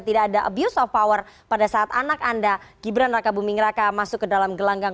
tidak ada abuse of power pada saat anak anda gibran raka buming raka masuk ke dalam gelanggang